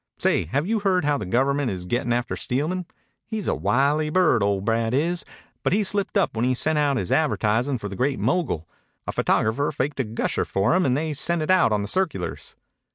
"Say, have you heard how the Government is gettin' after Steelman? He's a wily bird, old Brad is, but he slipped up when he sent out his advertisin' for the Great Mogul. A photographer faked a gusher for him and they sent it out on the circulars."